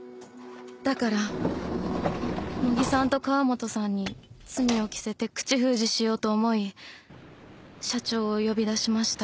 だから茂木さんと河元さんに罪を着せて口封じしようと思い社長を呼び出しました。